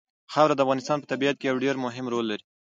خاوره د افغانستان په طبیعت کې یو ډېر مهم رول لري.